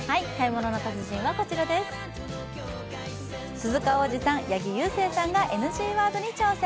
鈴鹿央士さん、八木勇征さんがＮＧワードに挑戦。